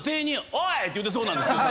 「おい！お前！」って言ってそうなんですけど。